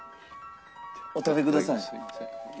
お食べください。